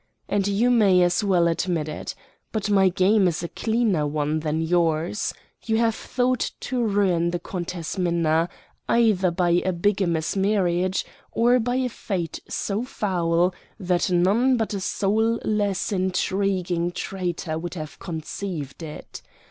"And you may as well admit it. But my game is a cleaner one than yours. You have thought to ruin the Countess Minna either by a bigamous marriage or by a fate so foul that none but a soulless, intriguing traitor would have conceived it.